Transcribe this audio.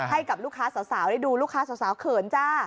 ให้กับลูกค้าสาวได้ดูลูกค้าสาวเขินจ้า